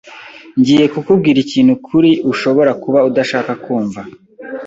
Ngiye kukubwira ikintu kuri ushobora kuba udashaka kumva.